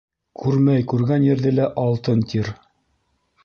Күрмәй күргән ерҙе лә алтын, тир.